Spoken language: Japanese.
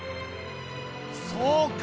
そうか！